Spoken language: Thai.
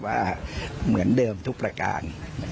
ว่าเหมือนเดิมทุกประการ